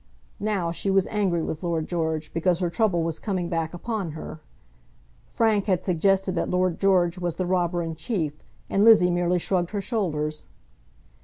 Now she was angry with Lord George because her trouble was coming back upon her. Frank had suggested that Lord George was the robber in chief, and Lizzie merely shrugged her shoulders.